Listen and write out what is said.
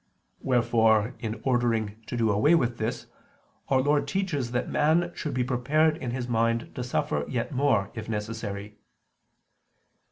Wherefore, in order to do away with this, Our Lord teaches that man should be prepared in his mind to suffer yet more if necessary.